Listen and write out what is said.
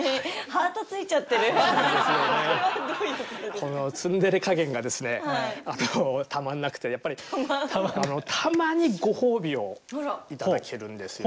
このツンデレ加減がですねたまんなくてやっぱりたまにご褒美を頂けるんですよ。